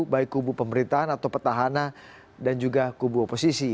baik kubu pemerintahan atau petahana dan juga kubu oposisi